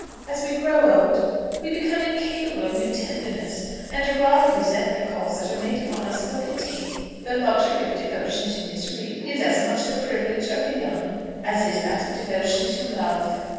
As we grow old we become incapable of new tenderness, and rather resent the calls that are made upon us for pity. The luxury of devotion to misery is as much the privilege of the young as is that of devotion to love.